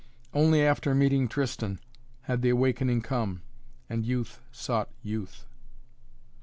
Only after meeting Tristan had the awakening come, and youth sought youth.